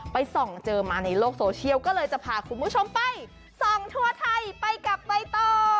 ส่องเจอมาในโลกโซเชียลก็เลยจะพาคุณผู้ชมไปส่องทั่วไทยไปกับใบต่อ